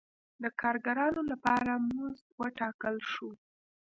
د کارګرانو لپاره مزد وټاکل شو.